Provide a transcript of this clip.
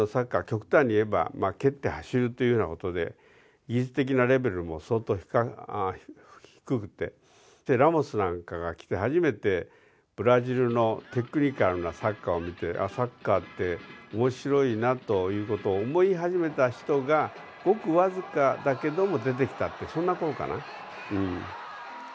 極端に言えば蹴って走るというようなことで技術的なレベルも相当低くてでラモスなんかが来て初めてブラジルのテクニカルなサッカーを見て「あっサッカーって面白いな」ということを思い始めた人がごくわずかだけども出てきたってそんな頃かなうん